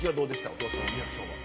お父さんのリアクションは。